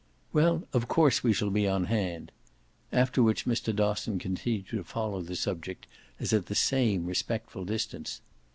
"Well, of course we shall be on hand." After which Mr. Dosson continued to follow the subject as at the same respectful distance.